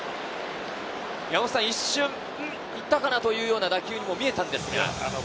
一瞬、行ったかなというような打球にも見えたのですが。